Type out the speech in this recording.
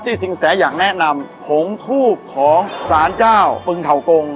ที่สิงแสอยากแนะนำผงทูบของศาลเจ้าปรึงทะกง